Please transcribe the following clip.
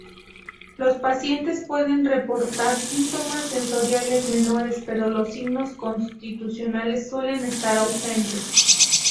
Los pacientes pueden reportar síntomas sensoriales menores, pero los signos constitucionales suelen estar ausentes.